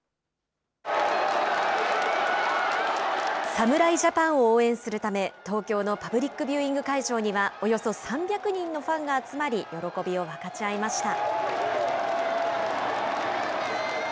侍ジャパンを応援するため、東京のパブリックビューイング会場には、およそ３００人のファンが集まり、喜びを分かち合いました。